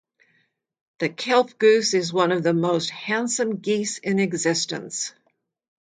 The kelp goose is one of the most handsome geese in existence.